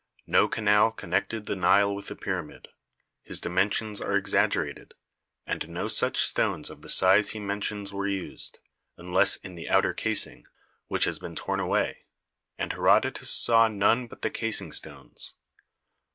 No canal connected the Nile with the pyramid; his dimensions are exaggerated, and no such stones of the size he mentions were used, unless in the outer casing, which has been torn away, and Herodotus saw none but the casing stones.